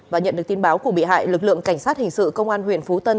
và nhận được tin báo của bị hại lực lượng cảnh sát hình sự công an huyện phú tân